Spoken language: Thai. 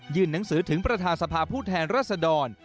หนังสือถึงประธานสภาผู้แทนรัศดร